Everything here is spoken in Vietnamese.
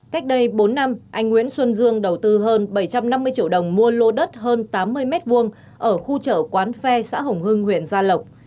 cách đây bốn năm anh nguyễn xuân dương đầu tư hơn bảy trăm năm mươi triệu đồng mua lô đất hơn tám mươi m hai ở khu chợ quán phe xã hồng hưng huyện gia lộc